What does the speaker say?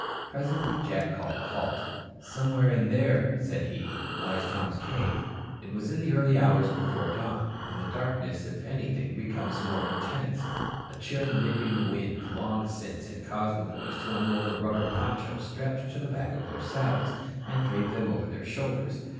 Presently Jack called a halt. "Somewhere in there," said he, "lies Tom's cave." It was in the early hours before dawn, when the darkness if anything becomes more intense. A chill nipping wind long since had caused the boys to unroll the rubber ponchos strapped to the back of their saddles, and drape them over their shoulders.